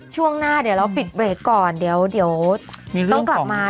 ช่วงหน้าเดี๋ยวเราปิดเบรกก่อนเดี๋ยวต้องกลับมา